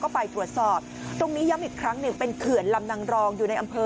ก็ไปตรวจสอบตรงนี้ย้ำอีกครั้งหนึ่งเป็นเขื่อนลำนางรองอยู่ในอำเภอ